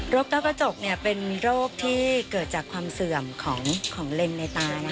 กระจกเป็นโรคที่เกิดจากความเสื่อมของเลนในตา